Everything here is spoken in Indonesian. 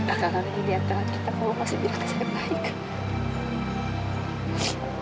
akar akarnya diantara kita kamu masih bilang ke saya baik